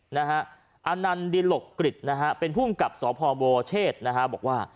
อันนันดิหลกกริจเป็นผู้กับสพเชศบอกว่า